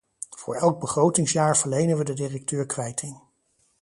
Voor elk begrotingsjaar verlenen we de directeur kwijting.